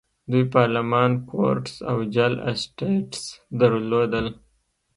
دوی پارلمان، کورټس او جل اسټټس درلودل.